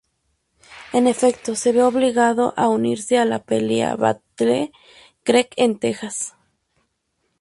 En efecto, se ve obligado a unirse a la pelea Battle Creek en Texas.